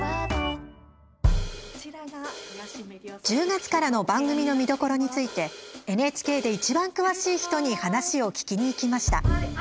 １０月からの番組の見どころについてＮＨＫでいちばん詳しい人に話を聞きに行きました。